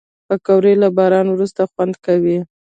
پکورې له باران وروسته خوند کوي